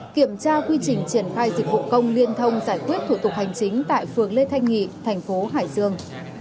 kiểm tra quy trình triển khai dịch vụ công liên thông giải quyết thủ tục hành chính tại phường lê thanh nghị thành phố hải dương